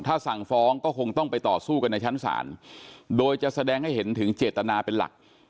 ถ้าสั่งฟ้องก็คงต้องไปต่อสู้กันในชั้นศาลโดยจะแสดงให้เห็นถึงเจตนาเป็นหลัก